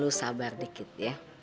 lo sabar dikit ya